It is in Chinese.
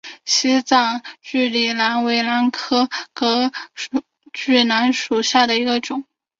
西藏隔距兰为兰科隔距兰属下的一个种。